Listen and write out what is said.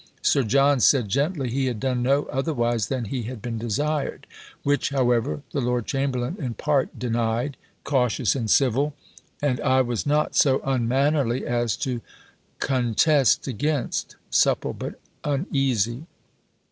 Sir John said gently, he had done no otherwise than he had been desired; which however the lord chamberlain, in part, denied, (cautious and civil!) "and I was not so unmannerly as to contest against," (supple, but uneasy!)